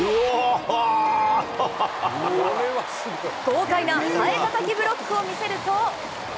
豪快なハエたたきブロックを見せると。